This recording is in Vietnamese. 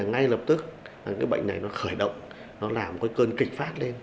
ngay lập tức cái bệnh này nó khởi động nó làm cái cơn kịch phát lên